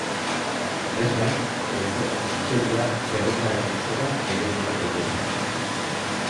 Honez gain, goiko hortzeria-zerrendaren luzera ere neur daiteke.